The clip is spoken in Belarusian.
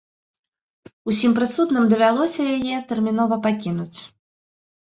Усім прысутным давялося яе тэрмінова пакінуць.